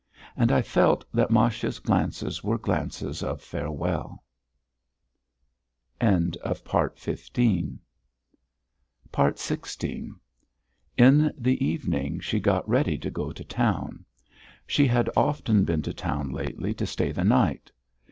And I felt that Masha's glances were glances of farewell. XVI In the evening she got ready to go to town. She had often been to town lately to stay the night.